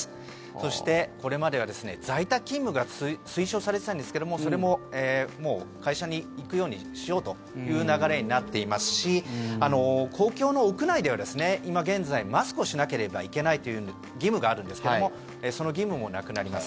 そして、これまでは在宅勤務が推奨されていたんですけどもそれも、会社に行くようにしようという流れになっていますし公共の屋内では今現在、マスクをしなければいけないという義務があるんですけどもその義務もなくなります。